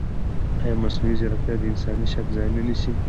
ایا مصنوعي ځیرکتیا د انساني شک ځای نه نیسي؟